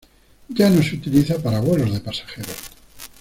Ya no se utiliza para vuelos de pasajeros.